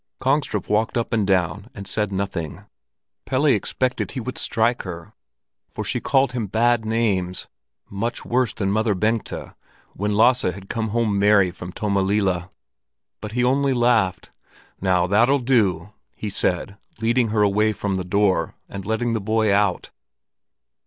Kongstrup walked up and down and said nothing. Pelle expected he would strike her, for she called him bad names—much worse than Mother Bengta when Lasse came home merry from Tommelilla. But he only laughed. "Now that'll do," he said, leading her away from the door, and letting the boy out.